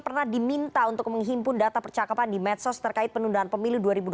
pernah diminta untuk menghimpun data percakapan di medsos terkait penundaan pemilu dua ribu dua puluh